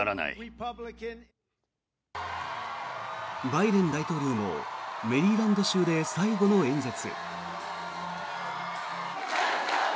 バイデン大統領もメリーランド州で最後の演説。